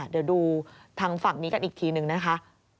เดี๋ยวดูทางฝั่งนี้กันอีกทีนึงนะคะ